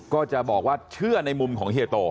ก็จะบอกว่าเชื่อในมุมของเฮียโต